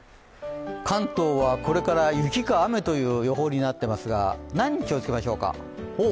関東はこれから雪か雨という予報になっていますが、何に気を付けましょうか。